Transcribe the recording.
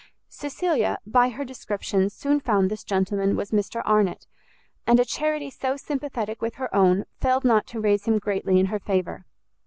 Cecilia, by her description, soon found this gentleman was Mr Arnott, and a charity so sympathetic with her own, failed not to raise him greatly in her favour.